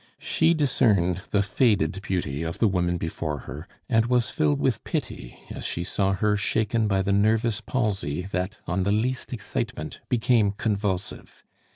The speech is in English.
She discerned the faded beauty of the woman before her, and was filled with pity as she saw her shaken by the nervous palsy that, on the least excitement, became convulsive.